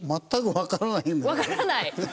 わからない？